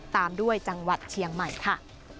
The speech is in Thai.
ตามด้วยจังหวัดเชียงใหม่ค่ะ